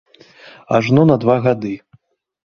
Ажно на два гады.